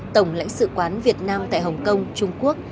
tổng lãnh sự quán việt nam tại hồng kông trung quốc